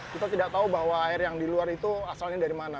kita tidak tahu bahwa air yang di luar itu asalnya dari mana